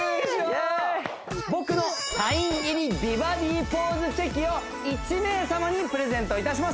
僕のサイン入り美バディポーズチェキを１名様にプレゼントいたします